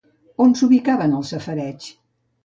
On s'ubicaven els safareigs?